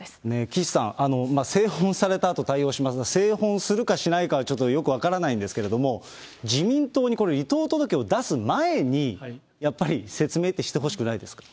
岸さん、製本されたあと対応しますが、製本するかしないかはちょっとよく分からないんですけれども、自民党にこれ離党届を出す前に、やっぱり説明ってしてほしくないですか。